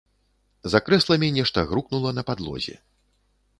За крэсламі нешта грукнула на падлозе.